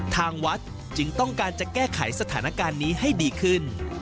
ทางวัดจึงต้องการจะแก้ไขสถานการณ์นี้ให้ดีขึ้น